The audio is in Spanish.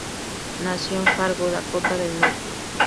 Nació en Fargo, Dakota del Norte.